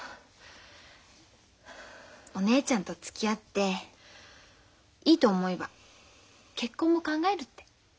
お姉ちゃんとつきあっていいと思えば結婚も考えるって。